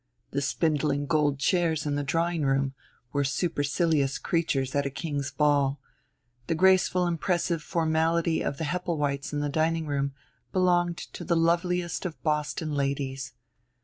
The spindling gold chairs in the drawingroom were supercilious creatures at a king's ball; the graceful impressive formality of the Heppelwhites in the dining room belonged to the loveliest of Boston ladies.